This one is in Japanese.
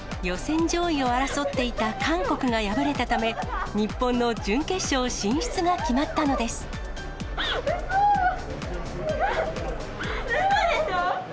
予選上位を争っていた韓国が敗れたため、日本の準決勝進出がう